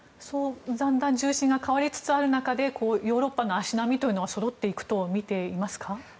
だんだん重心が変わりつつある中でヨーロッパの足並みというのはそろっていくとみていますか？